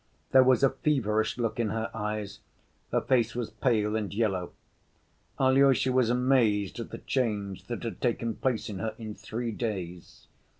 There was a feverish look in her eyes, her face was pale and yellow. Alyosha was amazed at the change that had taken place in her in three days.